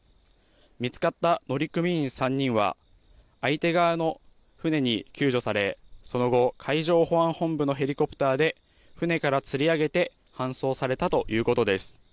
見つかった乗組員３人は、相手側の船に救助され、その後、海上保安本部のヘリコプターで、船からつり上げて搬送されたということです。